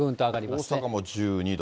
大阪も１２度。